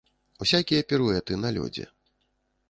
Усякія піруэты на лёдзе.